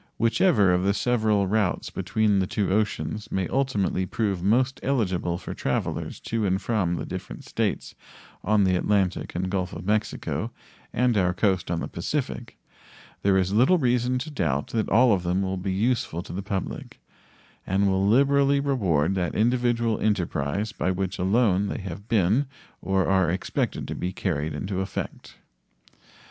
Whichever of the several routes between the two oceans may ultimately prove most eligible for travelers to and from the different States on the Atlantic and Gulf of Mexico and our coast on the Pacific, there is little reason to doubt that all of them will be useful to the public, and will liberally reward that individual enterprise by which alone they have been or are expected to be carried into effect.